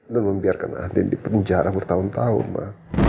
dan membiarkan adin di penjara bertahun tahun ma